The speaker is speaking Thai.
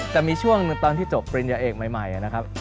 แต่มีช่วงหนึ่งตอนที่จบปริญญาเอกใหม่นะครับ